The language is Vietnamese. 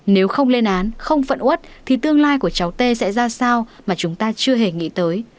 nếu không lên án không phận út thì tương lai của cháu tê sẽ ra sao mà chúng ta chưa hề nghĩ tới